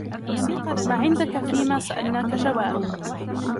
مَا عِنْدَك فِيمَا سَأَلْنَاك جَوَابٌ